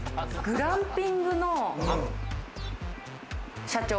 グランピングの社長。